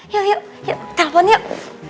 yuk yuk yuk telpon yuk